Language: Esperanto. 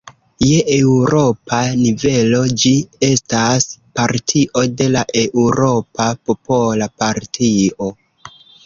Je eŭropa nivelo, ĝi estas partio de la Eŭropa Popola Partio.